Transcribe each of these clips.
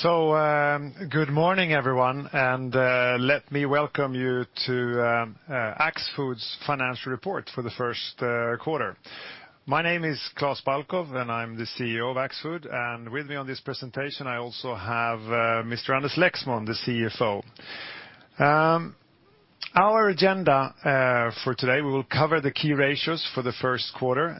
Good morning everyone, let me welcome you to Axfood's financial report for the first quarter. My name is Klas Balkow, I am the CEO of Axfood, and with me on this presentation, I also have Mr. Anders Lexmon, the CFO. Our agenda for today, we will cover the key ratios for the first quarter,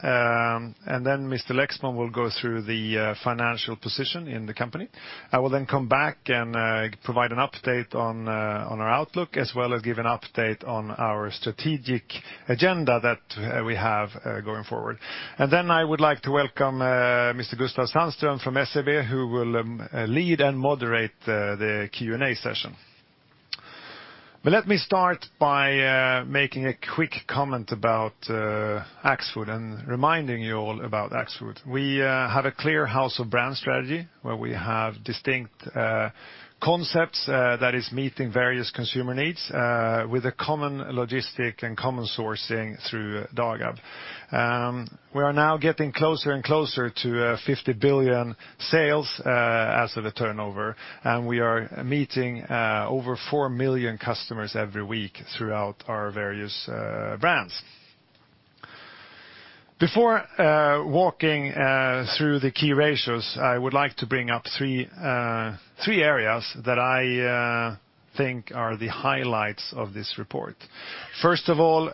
Mr. Lexmon will go through the financial position in the company. I will come back and provide an update on our outlook as well as give an update on our strategic agenda that we have going forward. I would like to welcome Mr. Gustav Sandström from SEB, who will lead and moderate the Q&A session. Let me start by making a quick comment about Axfood and reminding you all about Axfood. We have a clear house of brand strategy where we have distinct concepts that is meeting various consumer needs with a common logistic and common sourcing through Dagab. We are now getting closer and closer to 50 billion sales as of the turnover, and we are meeting over 4 million customers every week throughout our various brands. Before walking through the key ratios, I would like to bring up three areas that I think are the highlights of this report. First of all,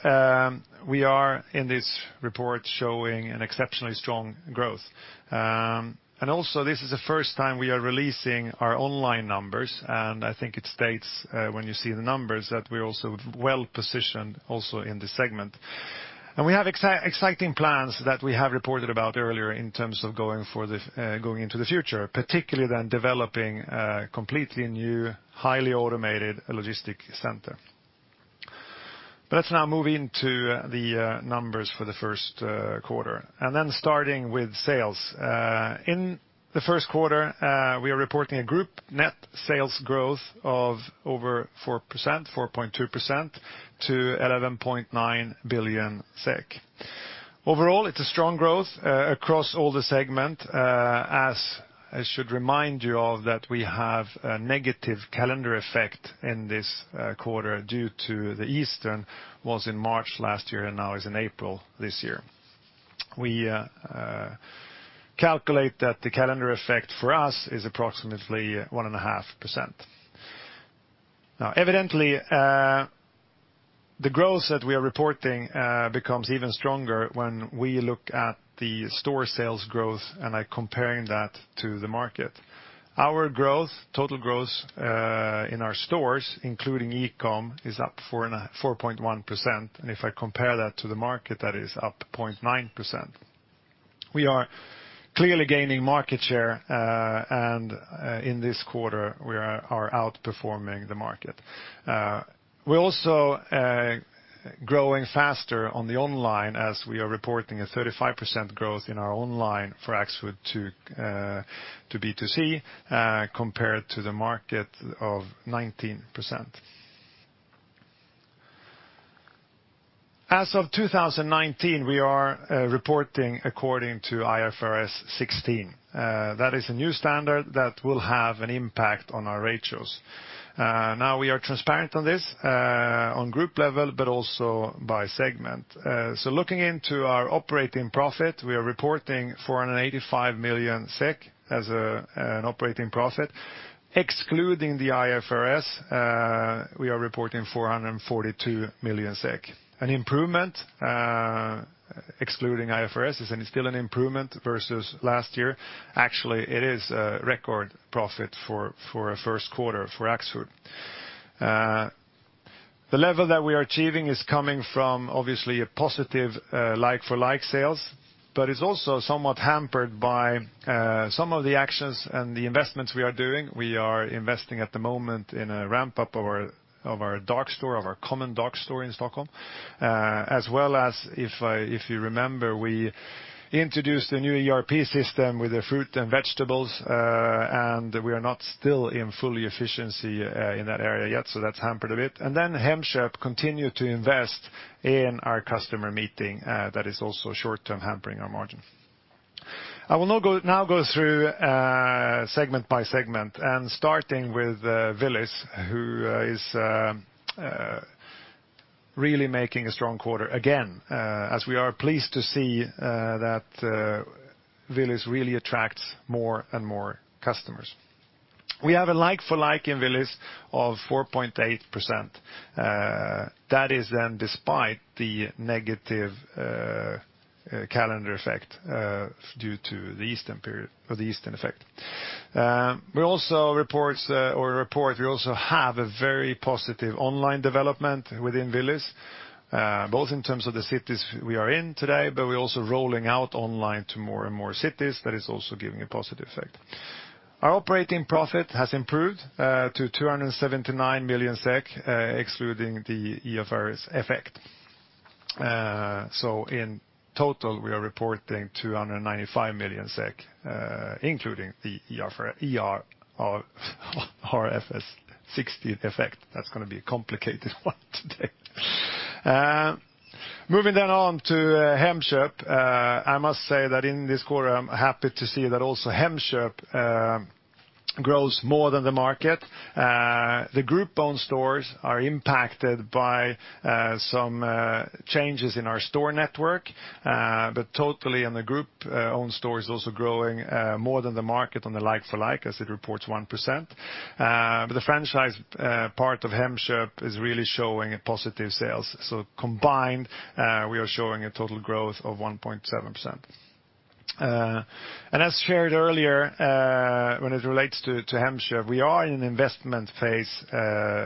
we are in this report showing an exceptionally strong growth. This is the first time we are releasing our online numbers, and I think it states, when you see the numbers, that we are also well-positioned also in this segment. We have exciting plans that we have reported about earlier in terms of going into the future, particularly then developing a completely new, highly automated logistic center. Let's now move into the numbers for the first quarter, starting with sales. In the first quarter, we are reporting a group net sales growth of over 4.2% to 11.9 billion SEK. Overall, it is a strong growth across all the segment. As I should remind you of that we have a negative calendar effect in this quarter due to the Easter was in March last year and now is in April this year. We calculate that the calendar effect for us is approximately 1.5%. Evidently, the growth that we are reporting becomes even stronger when we look at the store sales growth and comparing that to the market. Our growth, total growth in our stores, including e-com, is up 4.1%. If I compare that to the market, that is up 0.9%. We are clearly gaining market share, and in this quarter, we are outperforming the market. We are also growing faster on the online as we are reporting a 35% growth in our online for Axfood to B2C compared to the market of 19%. As of 2019, we are reporting according to IFRS 16. That is a new standard that will have an impact on our ratios. We are transparent on this on group level but also by segment. Looking into our operating profit, we are reporting 485 million SEK as an operating profit. Excluding the IFRS, we are reporting 442 million SEK. An improvement, excluding IFRS, and it is still an improvement versus last year. Actually, it is a record profit for a first quarter for Axfood. The level that we are achieving is coming from obviously a positive like-for-like sales, but it's also somewhat hampered by some of the actions and the investments we are doing. We are investing at the moment in a ramp-up of our dark store, of our common dark store in Stockholm, as well as if you remember, we introduced a new ERP system with the fruit and vegetables, and we are not still in fully efficiency in that area yet, so that's hampered a bit. Hemköp continued to invest in our customer meeting. That is also short-term hampering our margin. I will now go through segment by segment and starting with Willys, who is really making a strong quarter again, as we are pleased to see that Willys really attracts more and more customers. We have a like-for-like in Willys of 4.8%. That is then despite the negative calendar effect due to the Eastern period or the Eastern effect. We also have a very positive online development within Willys, both in terms of the cities we are in today, but we're also rolling out online to more and more cities. That is also giving a positive effect. Our operating profit has improved to 279 million SEK, excluding the IFRS effect. In total, we are reporting 295 million SEK, including the IR or IFRS 16 effect. That's going to be a complicated one today. Moving on to Hemköp. I must say that in this quarter, I'm happy to see that also Hemköp grows more than the market. The group-owned stores are impacted by some changes in our store network. Totally on the group-owned stores also growing more than the market on the like-for-like as it reports 1%. The franchise part of Hemköp is really showing positive sales. Combined, we are showing a total growth of 1.7%. As shared earlier, when it relates to Hemköp, we are in an investment phase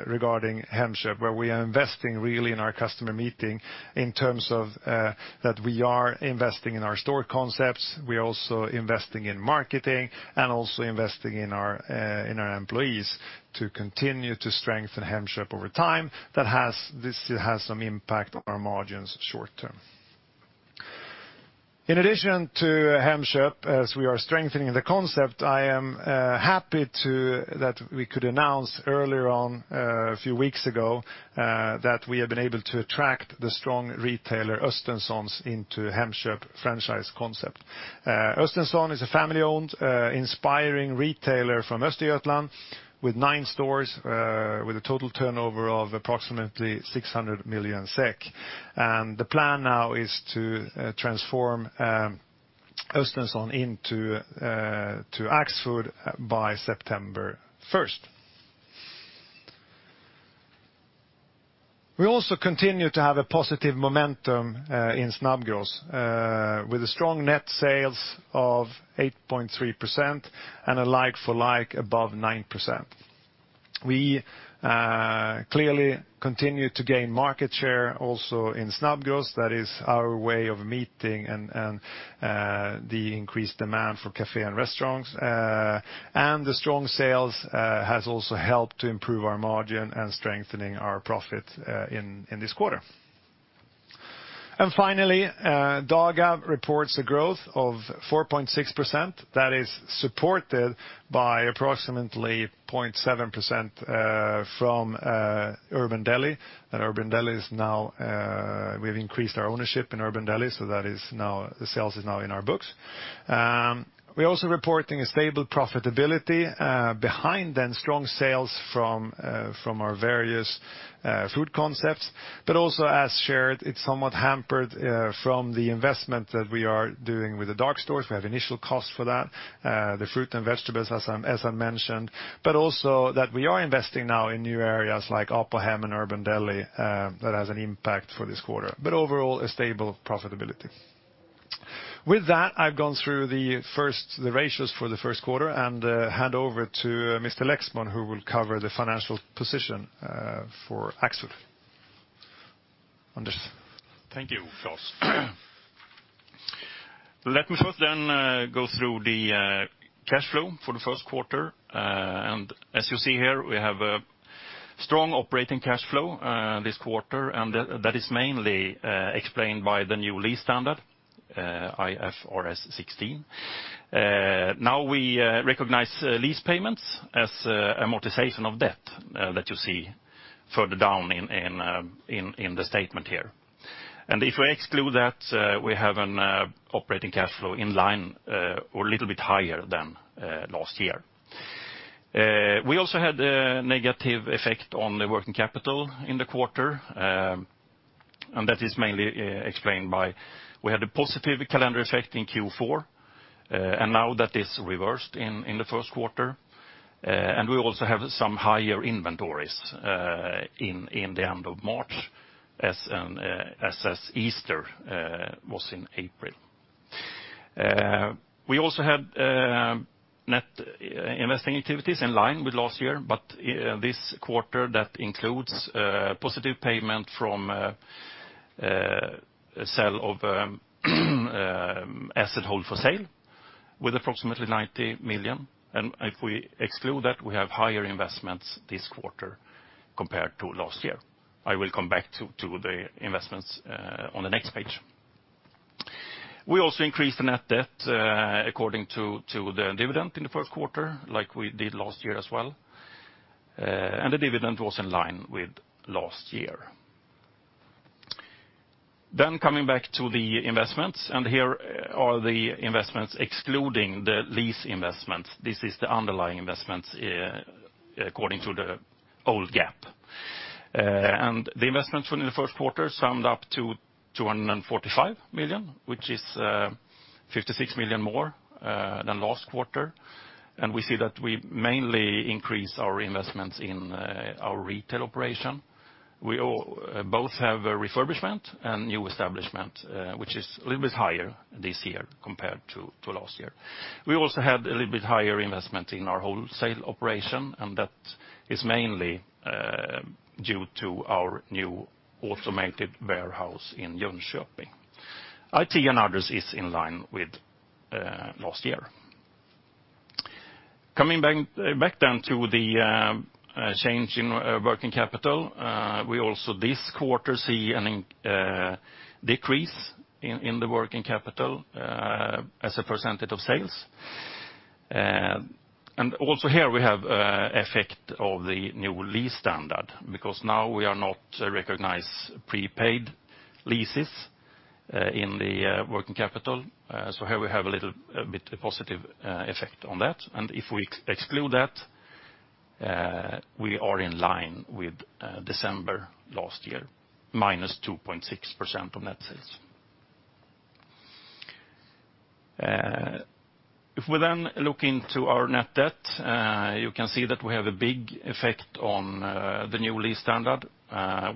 regarding Hemköp, where we are investing really in our customer meeting in terms of that we are investing in our store concepts. We are also investing in marketing and also investing in our employees to continue to strengthen Hemköp over time. This has some impact on our margins short term. In addition to Hemköp, as we are strengthening the concept, I am happy that we could announce earlier on, a few weeks ago, that we have been able to attract the strong retailer Östenssons into Hemköp franchise concept. Östensson is a family-owned inspiring retailer from Östergötland with nine stores, with a total turnover of approximately 600 million SEK. The plan now is to transform Östensson into Axfood by September 1st. We also continue to have a positive momentum in Snabbgross with a strong net sales of 8.3% and a like-for-like above 9%. We clearly continue to gain market share also in Snabbgross. That is our way of meeting the increased demand for cafe and restaurants. The strong sales has also helped to improve our margin and strengthening our profit in this quarter. Finally, Dagab reports a growth of 4.6% that is supported by approximately 0.7% from Urban Deli. We've increased our ownership in Urban Deli, so the sales is now in our books. We're also reporting a stable profitability behind then strong sales from our various food concepts, but also as shared, it's somewhat hampered from the investment that we are doing with the dark stores. We have initial cost for that. The fruit and vegetables, as I mentioned, but also that we are investing now in new areas like Apohem and Urban Deli that has an impact for this quarter, but overall, a stable profitability. With that, I've gone through the ratios for the first quarter and hand over to Anders Lexmon who will cover the financial position for Axfood. Anders. Thank you, Klas. Let me first then go through the cash flow for the first quarter. As you see here, we have a strong operating cash flow this quarter, and that is mainly explained by the new lease standard, IFRS 16. Now we recognize lease payments as amortization of debt that you see further down in the statement here. If we exclude that, we have an operating cash flow in line or a little bit higher than last year. We also had a negative effect on the working capital in the quarter, and that is mainly explained by we had a positive calendar effect in Q4, and now that is reversed in the first quarter. We also have some higher inventories in the end of March as Easter was in April. We also had net investing activities in line with last year, but this quarter that includes a positive payment from a sell of asset hold for sale with approximately 90 million. If we exclude that, we have higher investments this quarter compared to last year. I will come back to the investments on the next page. We also increased the net debt according to the dividend in the first quarter like we did last year as well. The dividend was in line with last year. Coming back to the investments, here are the investments excluding the lease investments. This is the underlying investments according to the old GAAP. The investments in the first quarter summed up to 245 million, which is 56 million more than last quarter. We see that we mainly increase our investments in our retail operation. We both have a refurbishment and new establishment, which is a little bit higher this year compared to last year. We also had a little bit higher investment in our wholesale operation, that is mainly due to our new automated warehouse in Jönköping. IT and others is in line with last year. Coming back to the change in working capital. We also this quarter see a decrease in the working capital as a percentage of sales. Also here we have effect of the new lease standard because now we are not recognize prepaid leases in the working capital. Here we have a little bit positive effect on that. If we exclude that, we are in line with December last year, -2.6% on net sales. If we look into our net debt, you can see that we have a big effect on the new lease standard.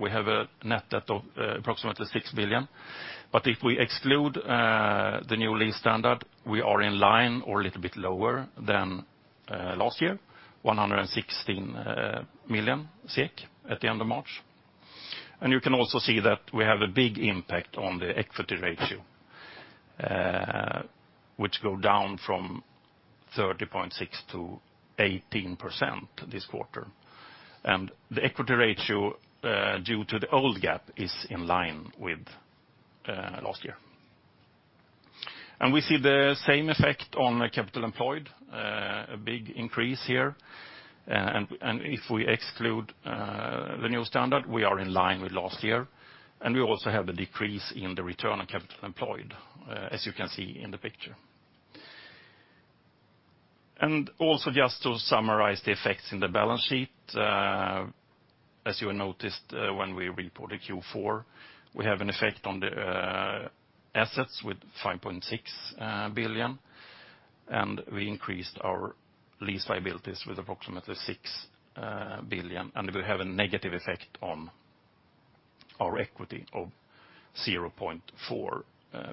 We have a net debt of approximately 6 billion. If we exclude the new lease standard, we are in line or a little bit lower than last year, 116 million SEK at the end of March. You can also see that we have a big impact on the equity ratio, which goes down from 30.6% to 18% this quarter. The equity ratio, due to the old GAAP, is in line with last year. We see the same effect on capital employed, a big increase here. If we exclude the new standard, we are in line with last year, and we also have a decrease in the return on capital employed, as you can see in the picture. Also just to summarize the effects in the balance sheet, as you have noticed when we reported Q4, we have an effect on the assets with 5.6 billion, and we increased our lease liabilities with approximately 6 billion, and we have a negative effect on our equity of approximately 0.4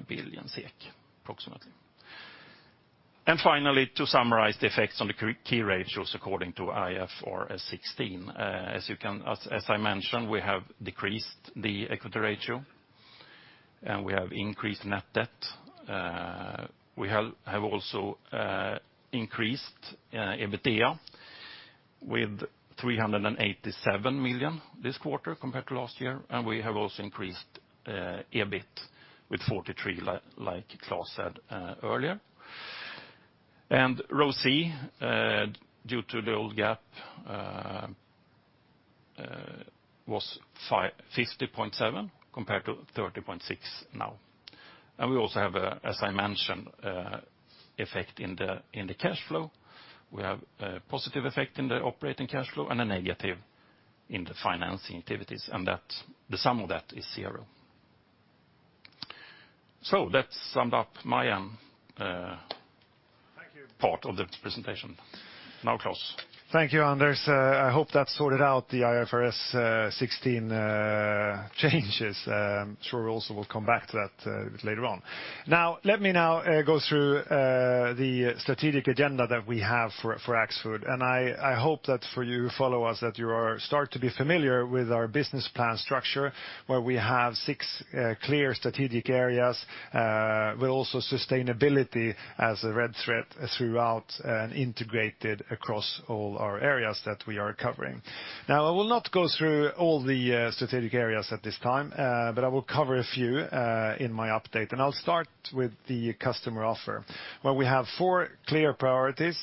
billion SEK. Finally, to summarize the effects on the key ratios according to IFRS 16. As I mentioned, we have decreased the equity ratio, and we have increased net debt. We have also increased EBITDA with 387 million this quarter compared to last year, and we have also increased EBIT with 43 million, like Klas said earlier. ROIC, due to the old GAAP, was 50.7% compared to 30.6% now. We also have, as I mentioned, effect in the cash flow. We have a positive effect in the operating cash flow and a negative in the financing activities, and the sum of that is zero. That summed up my end. Thank you. part of the presentation. Klas. Thank you, Anders. I hope that sorted out the IFRS 16 changes. I'm sure we also will come back to that a bit later on. Let me now go through the strategic agenda that we have for Axfood, and I hope that for you who follow us, that you are start to be familiar with our business plan structure, where we have six clear strategic areas, with also sustainability as a red thread throughout and integrated across all our areas that we are covering. I will not go through all the strategic areas at this time, but I will cover a few in my update, and I'll start with the customer offer, where we have four clear priorities.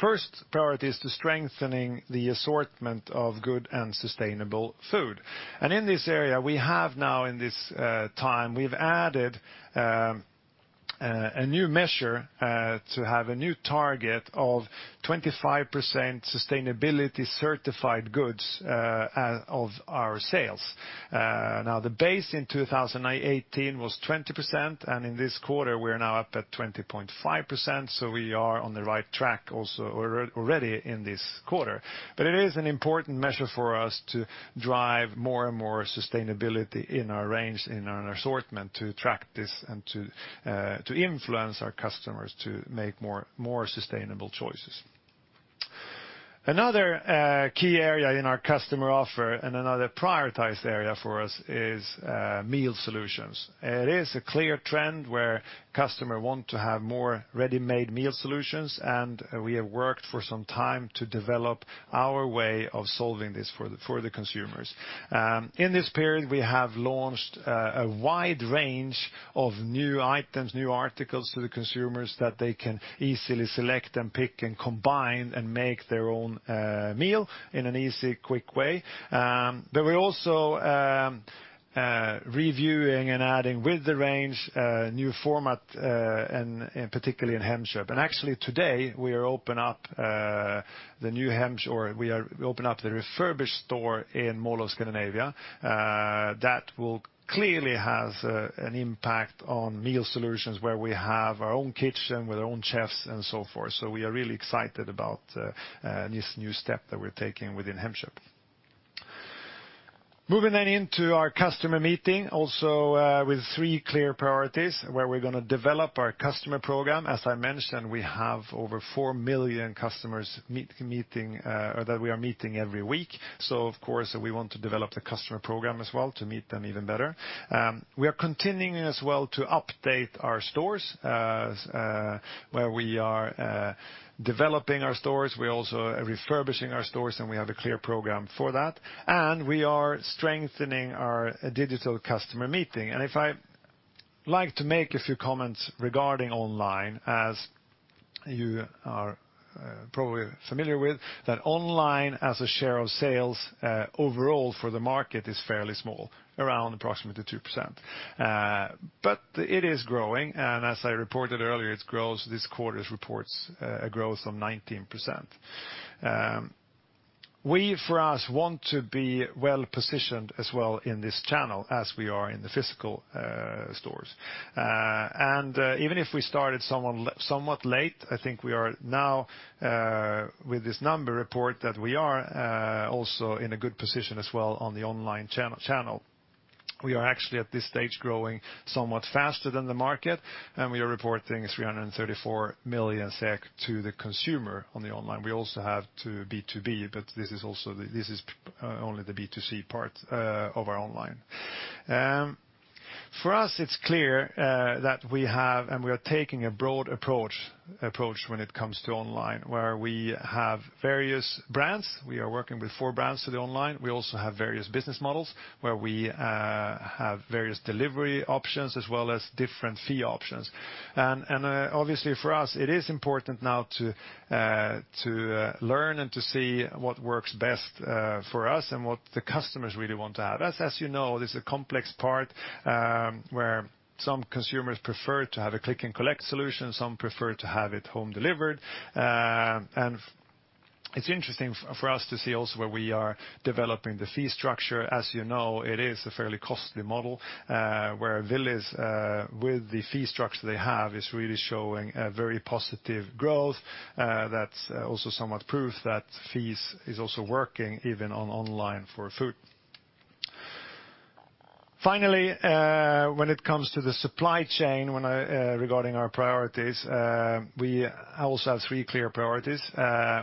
First priority is to strengthening the assortment of good and sustainable food. In this area, we have now, in this time, we've added a new measure to have a new target of 25% sustainability certified goods out of our sales. The base in 2018 was 20%, and in this quarter, we're now up at 20.5%, so we are on the right track also already in this quarter. It is an important measure for us to drive more and more sustainability in our range, in our assortment to track this and to influence our customers to make more sustainable choices. Another key area in our customer offer and another prioritized area for us is meal solutions. It is a clear trend where customer want to have more ready-made meal solutions, and we have worked for some time to develop our way of solving this for the consumers. In this period, we have launched a wide range of new items, new articles to the consumers that they can easily select and pick and combine and make their own meal in an easy, quick way. We're also reviewing and adding with the range, new format, and particularly in Hemköp. Actually today, we open up the refurbished store in Mall of Scandinavia. That will clearly have an impact on meal solutions where we have our own kitchen with our own chefs and so forth. We are really excited about this new step that we're taking within Hemköp. Moving into our customer meeting, also with three clear priorities where we're going to develop our customer program. As I mentioned, we have over 4 million customers that we are meeting every week. We of course want to develop the customer program as well to meet them even better. We are continuing as well to update our stores where we are developing our stores. We also are refurbishing our stores, and we have a clear program for that. We are strengthening our digital customer meeting. If I like to make a few comments regarding online, as you are probably familiar with, that online as a share of sales overall for the market is fairly small, around approximately 2%. It is growing, and as I reported earlier, it grows. This quarter reports a growth of 19%. We for us want to be well-positioned as well in this channel as we are in the physical stores. Even if we started somewhat late, I think we are now with this number report that we are also in a good position as well on the online channel. We are actually at this stage growing somewhat faster than the market, and we are reporting 334 million SEK to the consumer on the online. We also have B2B, but this is only the B2C part of our online. For us, it's clear that we have and we are taking a broad approach when it comes to online, where we have various brands. We are working with four brands to the online. We also have various business models, where we have various delivery options as well as different fee options. Obviously for us, it is important now to learn and to see what works best for us and what the customers really want to have. As you know, this is a complex part, where some consumers prefer to have a click and collect solution, some prefer to have it home delivered. It's interesting for us to see also where we are developing the fee structure. As you know, it is a fairly costly model, where Willys, with the fee structure they have, is really showing a very positive growth. That's also somewhat proof that fees is also working even on online for food. Finally, when it comes to the supply chain regarding our priorities, we also have three clear priorities.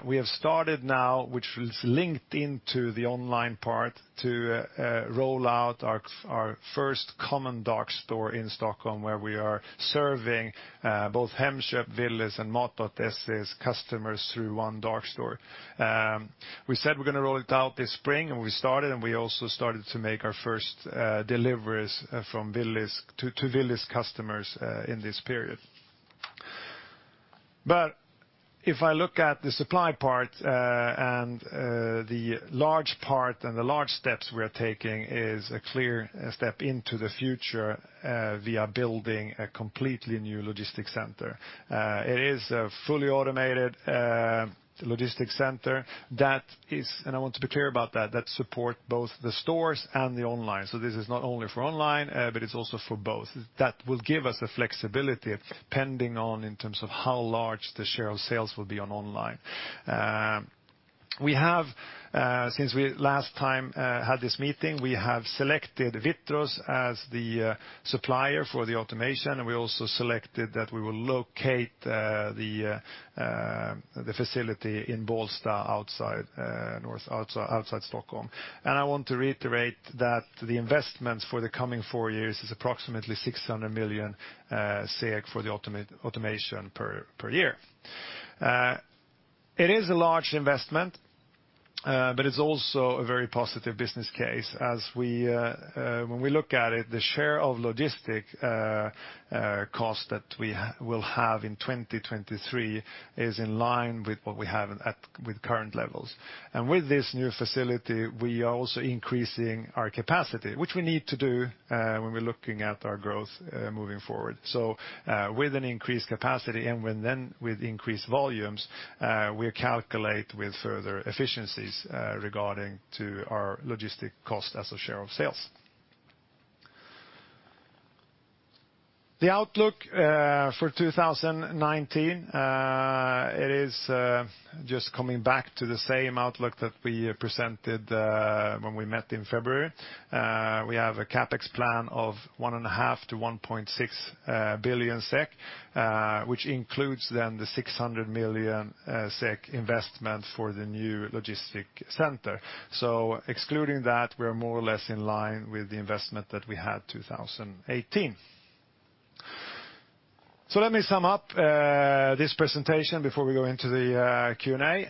We have started now, which is linked into the online part, to roll out our first common dark store in Stockholm, where we are serving both Hemköp, Willys, and Mat.se's customers through one dark store. We said we're going to roll it out this spring, and we started and we also started to make our first deliveries to Willys customers in this period. If I look at the supply part and the large part and the large steps we are taking is a clear step into the future via building a completely new logistic center. It is a fully automated logistic center that is, and I want to be clear about that supports both the stores and the online. This is not only for online, but it's also for both. That will give us the flexibility pending on in terms of how large the share of sales will be on online. Since we last time had this meeting, we have selected Witron as the supplier for the automation, and we also selected that we will locate the facility in Bålsta outside Stockholm. I want to reiterate that the investments for the coming 4 years is approximately 600 million for the automation per year. It is a large investment, but it's also a very positive business case as when we look at it, the share of logistic cost that we will have in 2023 is in line with what we have with current levels. With this new facility, we are also increasing our capacity, which we need to do when we're looking at our growth moving forward. With an increased capacity and then with increased volumes, we calculate with further efficiencies regarding to our logistic cost as a share of sales. The outlook for 2019, it is just coming back to the same outlook that we presented when we met in February. We have a CapEx plan of 1.5 billion-1.6 billion SEK, which includes then the 600 million SEK investment for the new logistic center. Excluding that, we're more or less in line with the investment that we had 2018. Let me sum up this presentation before we go into the Q&A.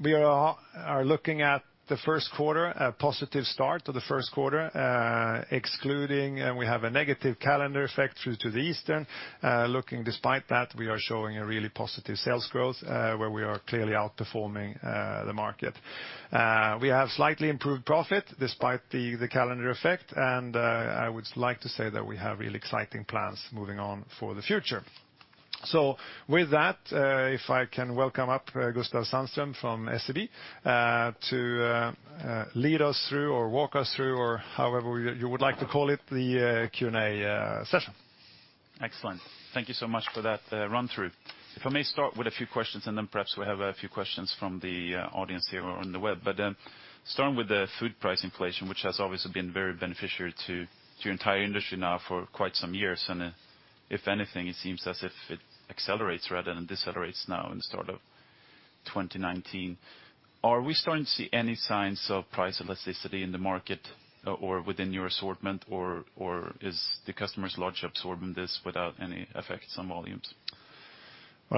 We are looking at the first quarter, a positive start to the first quarter, excluding, we have a negative calendar effect due to the Easter. Looking despite that, we are showing a really positive sales growth, where we are clearly outperforming the market. We have slightly improved profit despite the calendar effect, and I would like to say that we have really exciting plans moving on for the future. With that, if I can welcome up Gustav Sandström from SEB to lead us through or walk us through or however you would like to call it, the Q&A session. Excellent. Thank you so much for that run-through. If I may start with a few questions, and then perhaps we have a few questions from the audience here or on the web. Starting with the food price inflation, which has obviously been very beneficiary to your entire industry now for quite some years, and if anything, it seems as if it accelerates rather than decelerates now in the start of the year 2019. Are we starting to see any signs of price elasticity in the market or within your assortment, or is the customers largely absorbing this without any effects on volumes?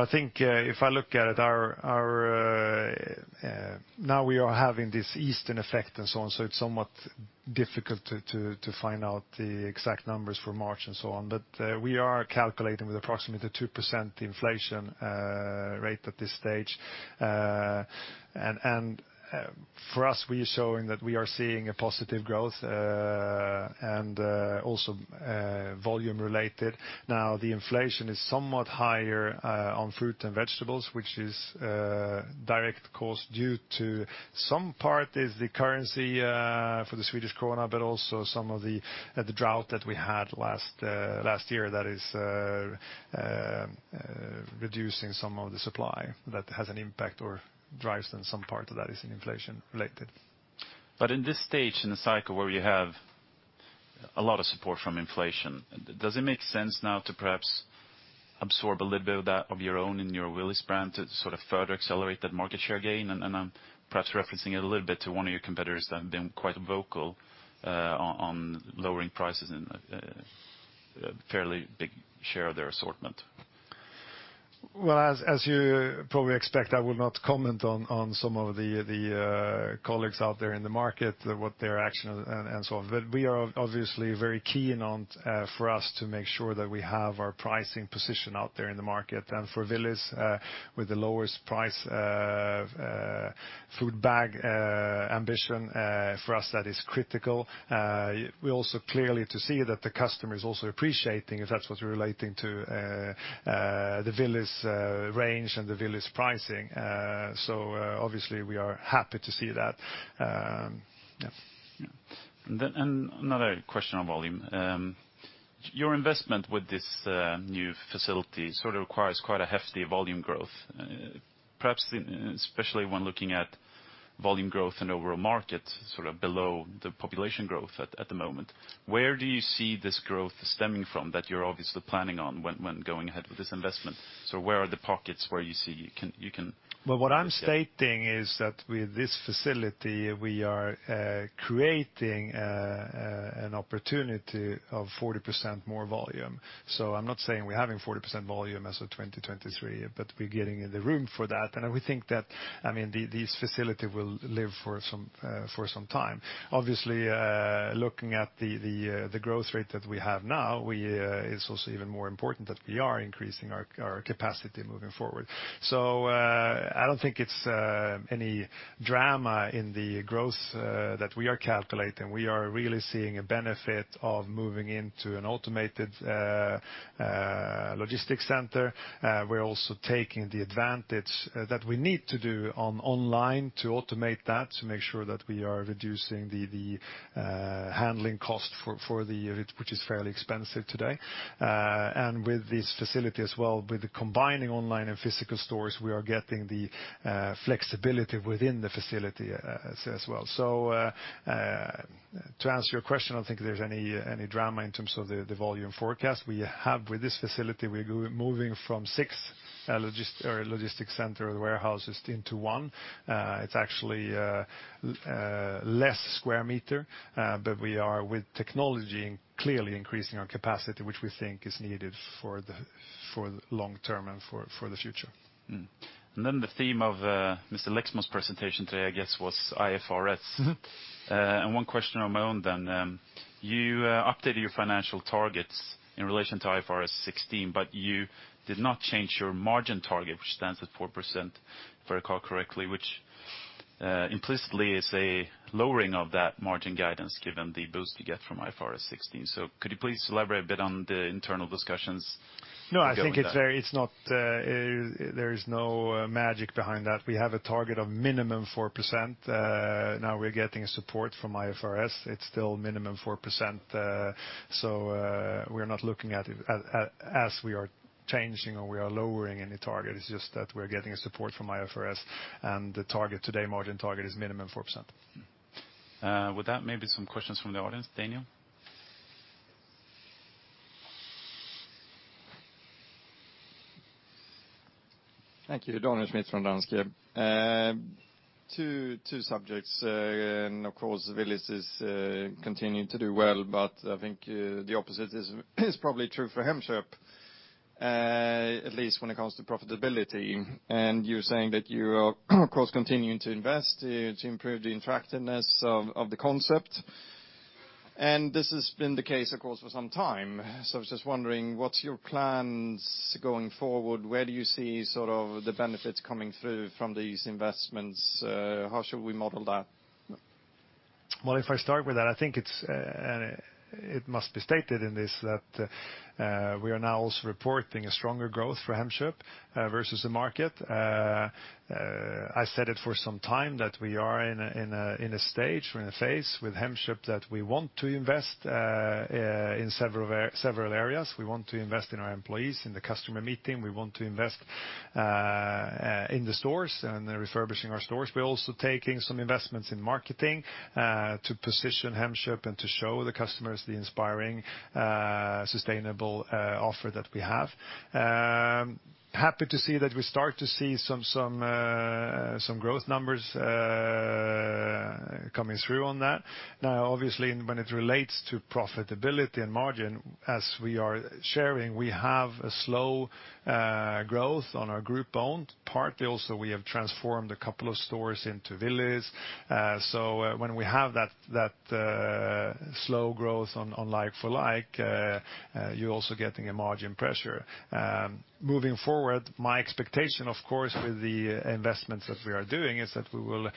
I think if I look at it, now we are having this Easter effect and so on, it's somewhat difficult to find out the exact numbers for March and so on. We are calculating with approximately 2% inflation rate at this stage. For us, we are showing that we are seeing a positive growth and also volume-related. The inflation is somewhat higher on fruit and vegetables, which is direct cause due to some part is the currency for the Swedish krona, also some of the drought that we had last year that is reducing some of the supply that has an impact or drives then some part of that is inflation-related. In this stage in the cycle where you have a lot of support from inflation, does it make sense now to perhaps absorb a little bit of that of your own in your Willys brand to further accelerate that market share gain? I'm perhaps referencing it a little bit to one of your competitors that have been quite vocal on lowering prices in a fairly big share of their assortment. As you probably expect, I will not comment on some of the colleagues out there in the market, what their action and so on. We are obviously very keen on for us to make sure that we have our pricing position out there in the market. For Willys with the lowest price food bag ambition, for us, that is critical. We also clearly to see that the customer is also appreciating if that's what's relating to the Willys range and the Willys pricing. Obviously we are happy to see that. Another question on volume. Your investment with this new facility sort of requires quite a hefty volume growth. Perhaps especially when looking at volume growth in the overall market, sort of below the population growth at the moment. Where do you see this growth stemming from that you're obviously planning on when going ahead with this investment? Where are the pockets where you see you can- What I'm stating is that with this facility, we are creating an opportunity of 40% more volume. I'm not saying we're having 40% volume as of 2023, but we're getting the room for that. We think that this facility will live for some time. Obviously looking at the growth rate that we have now, it's also even more important that we are increasing our capacity moving forward. I don't think it's any drama in the growth that we are calculating. We are really seeing a benefit of moving into an automated logistics center. We're also taking the advantage that we need to do on online to automate that, to make sure that we are reducing the handling cost for the unit, which is fairly expensive today. With this facility as well, with the combining online and physical stores, we are getting the flexibility within the facility as well. To answer your question, I don't think there's any drama in terms of the volume forecast we have with this facility. We're moving from six logistic center warehouses into one. It's actually less square meter but we are with technology clearly increasing our capacity, which we think is needed for the long term and for the future. The theme of Mr. Lexmon's presentation today, I guess, was IFRS. One question on my own then. You updated your financial targets in relation to IFRS 16, you did not change your margin target, which stands at 4%, if I recall correctly, which implicitly is a lowering of that margin guidance, given the boost you get from IFRS 16. Could you please elaborate a bit on the internal discussions to go with that? I think there is no magic behind that. We have a target of minimum 4%. We're getting support from IFRS. It's still minimum 4%. We're not looking at it as we are changing or we are lowering any target. It's just that we're getting a support from IFRS and the target today, margin target is minimum 4%. With that, maybe some questions from the audience. Daniel? Thank you. Daniel Schmidt from Danske. Two subjects. Of course Willys is continuing to do well, but I think the opposite is probably true for Hemköp at least when it comes to profitability. You're saying that you are of course continuing to invest to improve the interactiveness of the concept. This has been the case of course for some time. I was just wondering, what's your plans going forward? Where do you see sort of the benefits coming through from these investments? How should we model that? Well, if I start with that, I think it must be stated in this that we are now also reporting a stronger growth for Hemköp versus the market. I said it for some time that we are in a stage, we're in a phase with Hemköp that we want to invest in several areas. We want to invest in our employees, in the customer meeting. We want to invest in the stores and refurbishing our stores. We're also taking some investments in marketing to position Hemköp and to show the customers the inspiring sustainable offer that we have. Happy to see that we start to see some growth numbers coming through on that. Obviously when it relates to profitability and margin, as we are sharing, we have a slow growth on our group-owned. Partly also we have transformed a couple of stores into Willys. When we have that slow growth on like-for-like, you are also getting a margin pressure. Moving forward, my expectation, of course, with the investments that we are doing, is that we will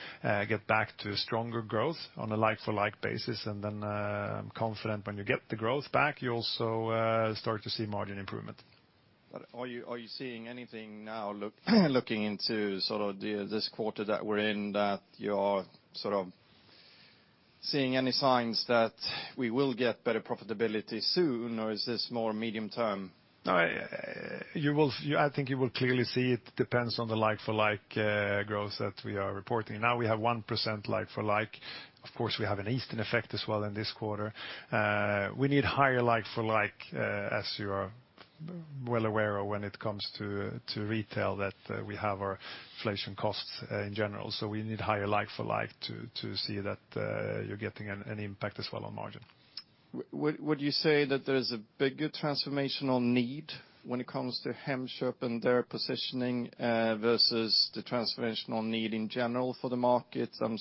get back to stronger growth on a like-for-like basis and I am confident when you get the growth back, you also start to see margin improvement. Are you seeing anything now, looking into this quarter that we are in, that you are seeing any signs that we will get better profitability soon, or is this more medium term? No, I think you will clearly see it depends on the like-for-like growth that we are reporting. Now we have 1% like-for-like. Of course, we have an Easter effect as well in this quarter. We need higher like-for-like, as you are well aware of when it comes to retail, that we have our inflation costs in general, we need higher like-for-like to see that you are getting an impact as well on margin. Would you say that there is a bigger transformational need when it comes to Hemköp and their positioning, versus the transformational need in general for the market? I am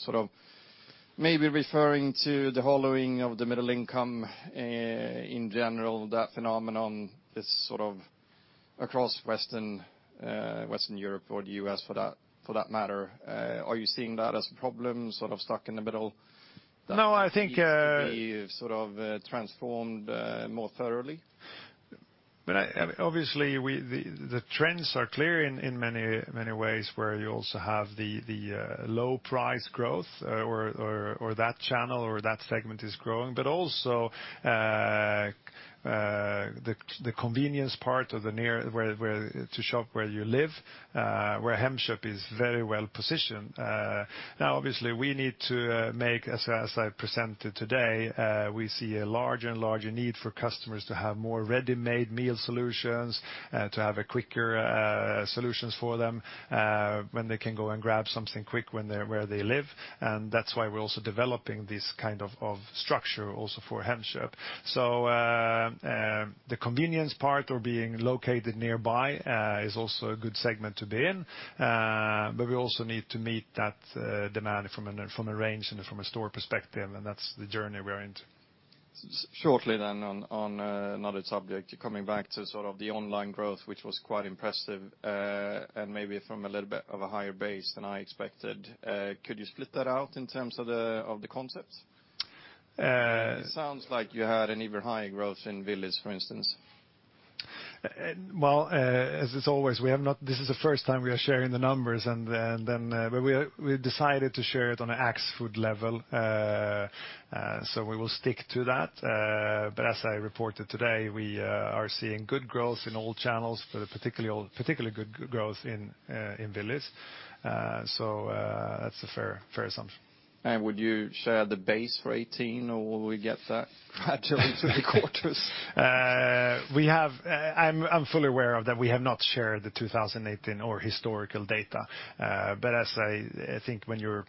maybe referring to the hollowing of the middle income in general. That phenomenon is across Western Europe or the U.S. for that matter. Are you seeing that as a problem, stuck in the middle? No. Need to be transformed more thoroughly? Obviously, the trends are clear in many ways where you also have the low price growth or that channel or that segment is growing, but also the convenience part of to shop where you live, where Hemköp is very well-positioned. Obviously we need to make, as I presented today, we see a larger and larger need for customers to have more ready-made meal solutions, to have quicker solutions for them when they can go and grab something quick where they live. That's why we're also developing this kind of structure also for Hemköp. The convenience part or being located nearby is also a good segment to be in. We also need to meet that demand from a range and from a store perspective, and that's the journey we are into. Shortly on another subject. Coming back to the online growth, which was quite impressive, and maybe from a little bit of a higher base than I expected. Could you split that out in terms of the concepts? It sounds like you had an even higher growth in Willys, for instance. Well, as is always, this is the first time we are sharing the numbers. We decided to share it on an Axfood level, we will stick to that. As I reported today, we are seeing good growth in all channels, but particularly good growth in Willys. That's a fair assumption. Would you share the base for 2018, or will we get that gradually through the quarters? I'm fully aware of that we have not shared the 2018 or historical data. As I think when you're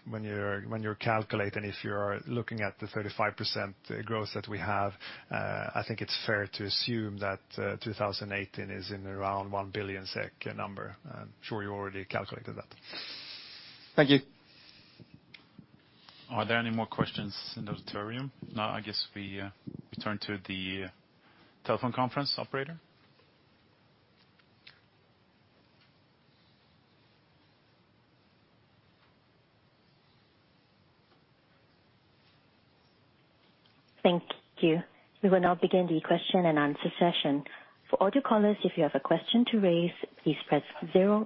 calculating, if you're looking at the 35% growth that we have, I think it's fair to assume that 2018 is in around 1 billion SEK number. I'm sure you already calculated that. Thank you. Are there any more questions in the auditorium? No, I guess we turn to the telephone conference operator. Thank you. We will now begin the question and answer session. For all you callers, if you have a question to raise, please press 01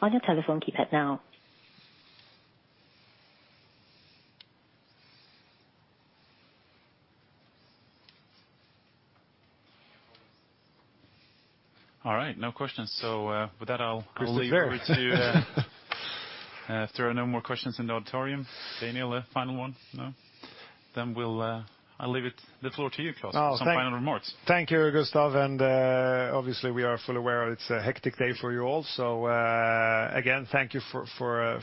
on your telephone keypad now. All right. No questions. With that, I'll- We'll leave there. hand it over to you. If there are no more questions in the auditorium, Daniel, a final one, no? I'll leave the floor to you, Klas, for some final remarks. Thank you, Gustav. Obviously we are fully aware it's a hectic day for you all. Again, thank you for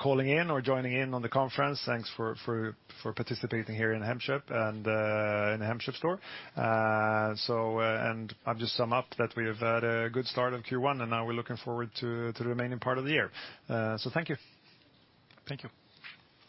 calling in or joining in on the conference. Thanks for participating here in Hemköp and in the Hemköp store. I'll just sum up that we have had a good start of Q1, and now we're looking forward to the remaining part of the year. Thank you. Thank you.